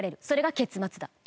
それが結末だ。